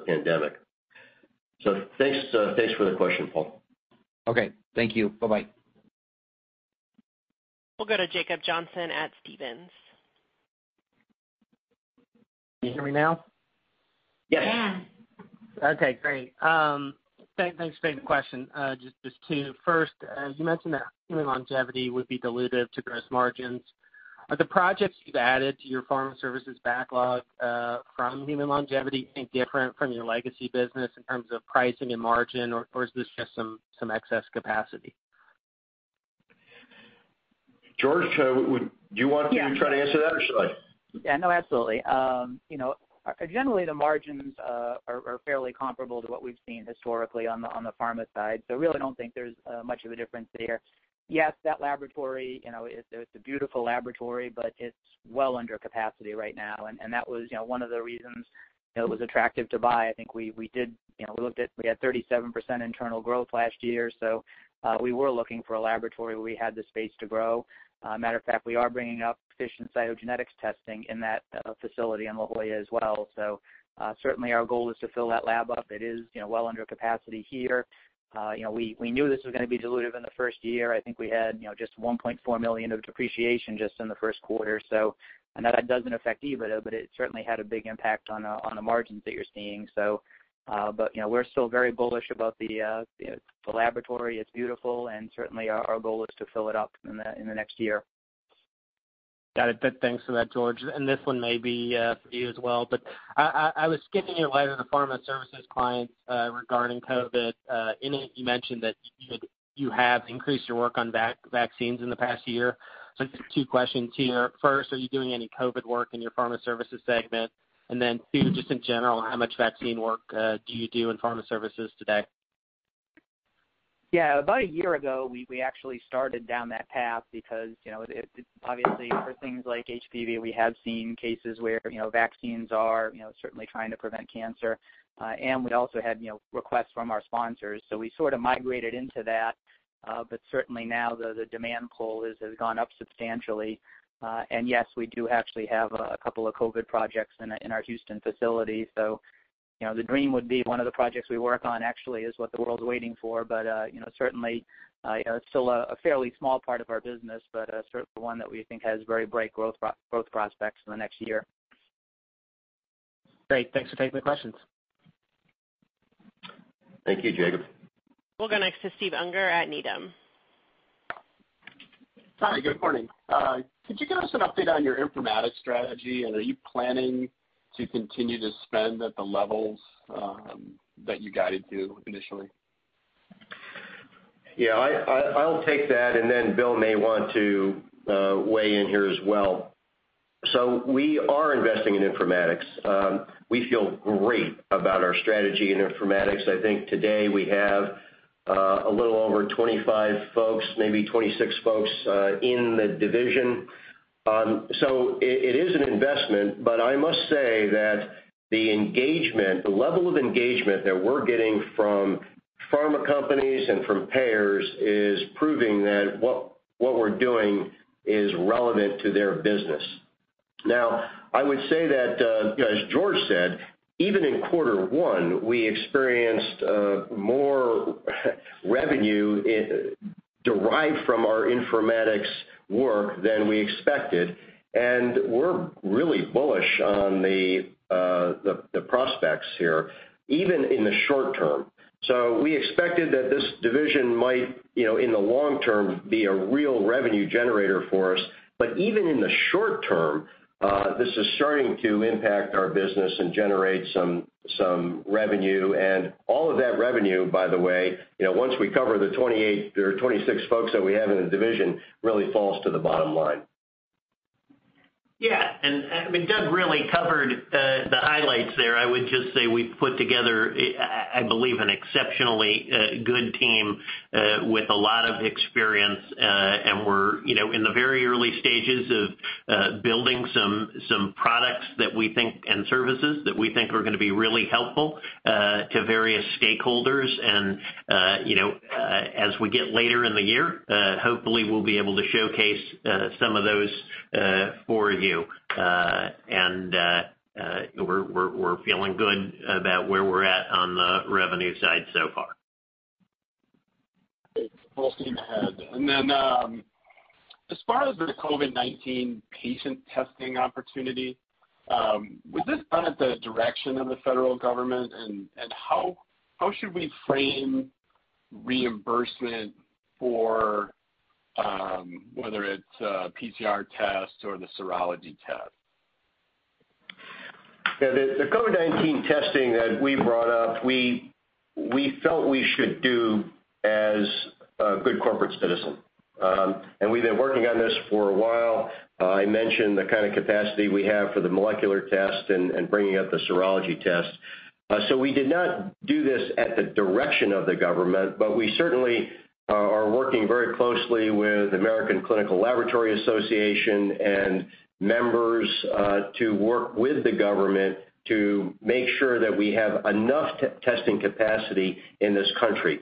pandemic. Thanks for the question, Paul. Okay. Thank you. Bye bye. We'll go to Jacob Johnson at Stephens. Can you hear me now? Yes. Yeah. Okay, great. Thanks for taking the question. Just two. First, as you mentioned that Human Longevity would be dilutive to gross margins. Are the projects you've added to your Pharma Services backlog from Human Longevity any different from your legacy business in terms of pricing and margin, or is this just some excess capacity? George, do you want to try to answer that, or should I? Yeah, no, absolutely. Generally, the margins are fairly comparable to what we've seen historically on the pharma side. Really don't think there's much of a difference there. Yes, that laboratory, it's a beautiful laboratory, but it's well under capacity right now, and that was one of the reasons it was attractive to buy. I think we had 37% internal growth last year. We were looking for a laboratory where we had the space to grow. Matter of fact, we are bringing up FISH cytogenetics testing in that facility in La Jolla as well. Certainly our goal is to fill that lab up. It is well under capacity here. We knew this was going to be dilutive in the first year. I think we had just $1.4 million of depreciation just in the first quarter. I know that doesn't affect EBITDA, but it certainly had a big impact on the margins that you're seeing. We're still very bullish about the laboratory. It's beautiful, and certainly our goal is to fill it up in the next year. Got it. Good. Thanks for that, George. This one may be for you as well, but I was skimming your letter to Pharma Services clients regarding COVID. In it, you mentioned that you have increased your work on vaccines in the past year. Just two questions here. First, are you doing any COVID work in your Pharma Services segment? Two, just in general, how much vaccine work do you do in Pharma Services today? About a year ago, we actually started down that path because obviously for things like HPV, we have seen cases where vaccines are certainly trying to prevent cancer. We also had requests from our sponsors. We sort of migrated into that, but certainly now the demand pull has gone up substantially. Yes, we do actually have a couple of COVID projects in our Houston facility. The dream would be one of the projects we work on actually is what the world's waiting for. Certainly, it's still a fairly small part of our business, but certainly one that we think has very bright growth prospects in the next year. Great. Thanks for taking the questions. Thank you, Jacob. We'll go next to Steve Unger at Needham. Hi, good morning. Could you give us an update on your informatics strategy, and are you planning to continue to spend at the levels that you guided to initially? Yeah, I'll take that, and then Bill may want to weigh in here as well. We are investing in informatics. We feel great about our strategy in informatics. I think today we have a little over 25 folks, maybe 26 folks, in the division. It is an investment, but I must say that the level of engagement that we're getting from pharma companies and from payers is proving that what we're doing is relevant to their business. I would say that, as George said, even in quarter one, we experienced more revenue derived from our informatics work than we expected, and we're really bullish on the prospects here, even in the short term. We expected that this division might, in the long term, be a real revenue generator for us. Even in the short term, this is starting to impact our business and generate some revenue. All of that revenue, by the way, once we cover the 28 or 26 folks that we have in the division, really falls to the bottom line. Yeah. I mean, Doug really covered the highlights there. I would just say we've put together, I believe, an exceptionally good team with a lot of experience. We're in the very early stages of building some products and services that we think are going to be really helpful to various stakeholders. As we get later in the year, hopefully we'll be able to showcase some of those for you. We're feeling good about where we're at on the revenue side so far. Great. Full steam ahead. Then, as far as the COVID-19 patient testing opportunity, was this done at the direction of the federal government? How should we frame reimbursement for whether it's PCR tests or the serology tests? Yeah, the COVID-19 testing that we brought up, we felt we should do as a good corporate citizen. We've been working on this for a while. I mentioned the kind of capacity we have for the molecular test and bringing up the serology test. We did not do this at the direction of the government, but we certainly are working very closely with the American Clinical Laboratory Association and members to work with the government to make sure that we have enough testing capacity in this country.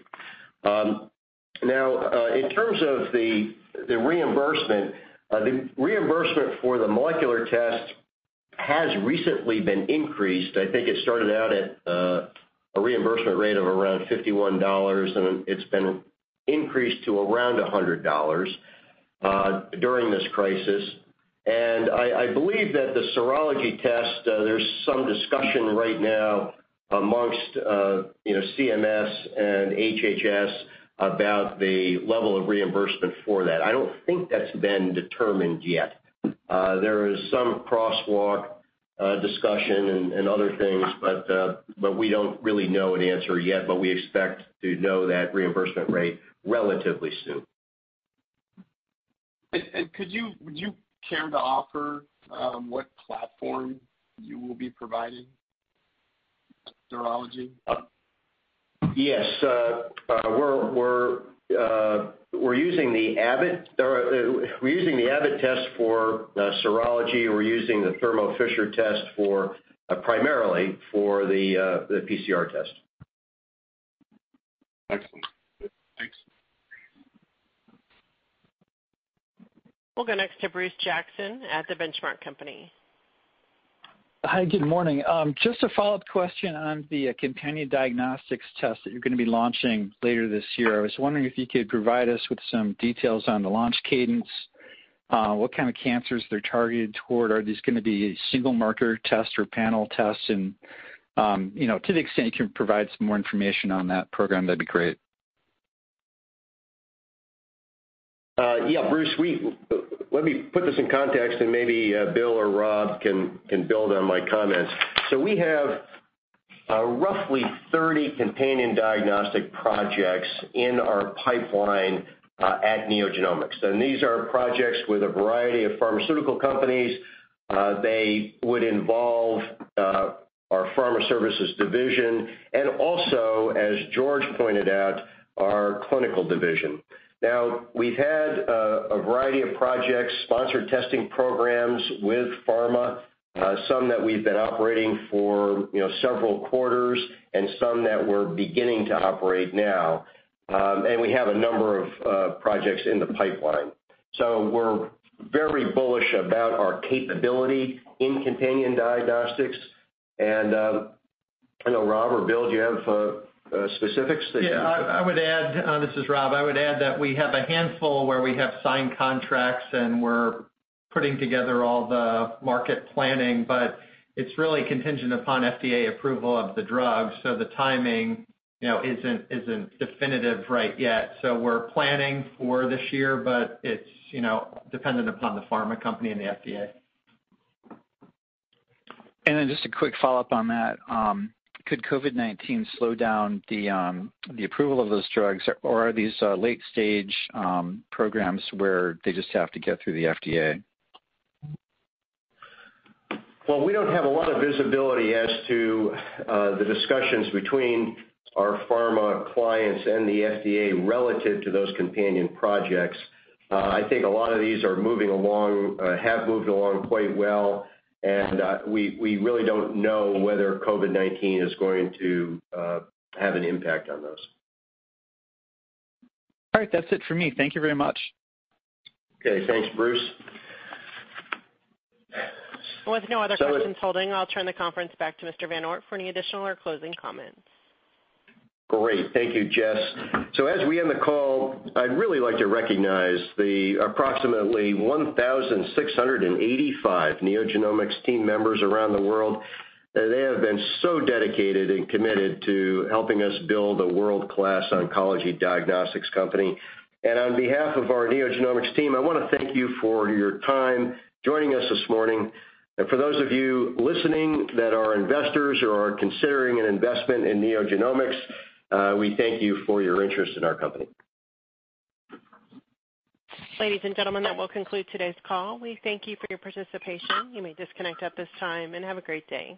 Now, in terms of the reimbursement, the reimbursement for the molecular test has recently been increased. I think it started out at a reimbursement rate of around $51, and it's been increased to around $100 during this crisis. I believe that the serology test, there's some discussion right now amongst CMS and HHS about the level of reimbursement for that. I don't think that's been determined yet. There is some crosswalk discussion and other things, but we don't really know an answer yet, but we expect to know that reimbursement rate relatively soon. Would you care to offer what platform you will be providing serology? Yes. We're using the Abbott test for serology. We're using the Thermo Fisher test primarily for the PCR test. Excellent. Thanks. We'll go next to Bruce Jackson at The Benchmark Company. Hi, good morning. Just a follow-up question on the companion diagnostics test that you're going to be launching later this year. I was wondering if you could provide us with some details on the launch cadence, what kind of cancers they're targeted toward. Are these going to be single marker tests or panel tests? To the extent you can provide some more information on that program, that'd be great. Bruce, let me put this in context and maybe Bill or Rob can build on my comments. We have roughly 30 companion diagnostic projects in our pipeline at NeoGenomics, and these are projects with a variety of pharmaceutical companies. They would involve our Pharma Services Division and also, as George pointed out, our Clinical Division. We've had a variety of projects, sponsored testing programs with pharma. Some that we've been operating for several quarters and some that we're beginning to operate now. We have a number of projects in the pipeline. We're very bullish about our capability in companion diagnostics. I know Rob or Bill, do you have specifics that you? Yeah, this is Rob. I would add that we have a handful where we have signed contracts, and we're putting together all the market planning, but it's really contingent upon FDA approval of the drug. The timing isn't definitive right yet. We're planning for this year, but it's dependent upon the pharma company and the FDA. Just a quick follow-up on that. Could COVID-19 slow down the approval of those drugs? Are these late-stage programs where they just have to get through the FDA? Well, we don't have a lot of visibility as to the discussions between our pharma clients and the FDA relative to those companion projects. I think a lot of these have moved along quite well, and we really don't know whether COVID-19 is going to have an impact on those. All right. That's it for me. Thank you very much. Okay. Thanks, Bruce. With no other questions holding, I'll turn the conference back to Mr. VanOort for any additional or closing comments. Great. Thank you, Jess. As we end the call, I'd really like to recognize the approximately 1,685 NeoGenomics team members around the world. They have been so dedicated and committed to helping us build a world-class oncology diagnostics company. On behalf of our NeoGenomics team, I want to thank you for your time joining us this morning. For those of you listening that are investors or are considering an investment in NeoGenomics, we thank you for your interest in our company. Ladies and gentlemen, that will conclude today's call. We thank you for your participation. You may disconnect at this time, and have a great day.